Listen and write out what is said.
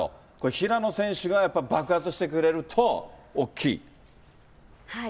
平野選手がやっぱり爆発してくれると大きい？